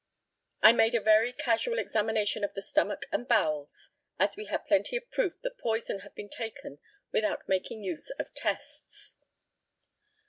I made a very casual examination of the stomach and bowels, as we had plenty of proof that poison had been taken without making use of tests.